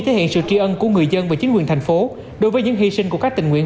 thể hiện sự tri ân của người dân và chính quyền thành phố đối với những hy sinh của các tình nguyện